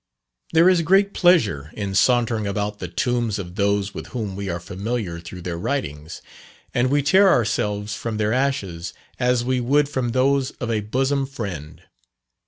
There is great pleasure in sauntering about the tombs of those with whom we are familiar through their writings; and we tear ourselves from their ashes, as we would from those of a bosom friend.